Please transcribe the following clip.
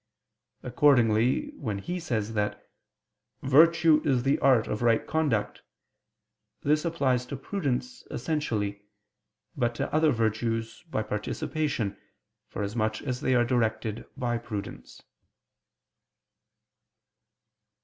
Accordingly, when he says that "virtue is the art of right conduct," this applies to prudence essentially; but to other virtues, by participation, for as much as they are directed by prudence.